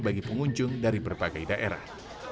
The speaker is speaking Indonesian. bagi pengunjung dari berbagai daerah